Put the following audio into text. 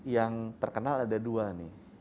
yang terkenal ada dua nih